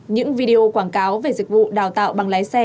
những video quảng cáo về dịch vụ đào tạo bằng lái xe